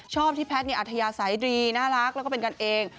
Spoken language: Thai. ชอบที่แพทย์อัธยาศัยดีน่ารักแล้วก็เป็นกันเอง